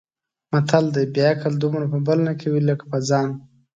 متل دی: بې عقل دومره په بل نه کوي لکه په ځان.